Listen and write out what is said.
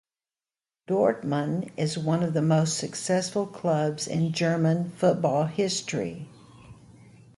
Dortmund is one of the most successful clubs in German football history.